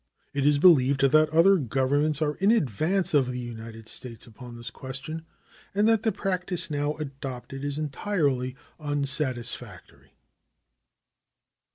It is believed that other governments are in advance of the United States upon this question, and that the practice now adopted is entirely unsatisfactory.